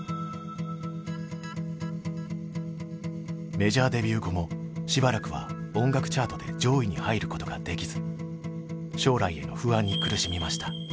メジャーデビュー後もしばらくは音楽チャートで上位に入ることができず将来への不安に苦しみました。